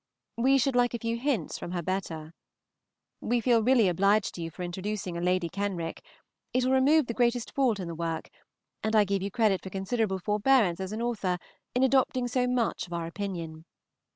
We should like a few hints from her better. We feel really obliged to you for introducing a Lady Kenrick; it will remove the greatest fault in the work, and I give you credit for considerable forbearance as an author in adopting so much of our opinion.